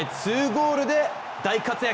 ２ゴールで、大活躍！